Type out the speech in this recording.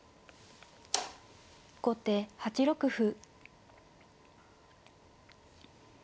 後手８六歩。